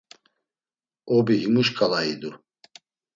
Obi himu şǩala idu.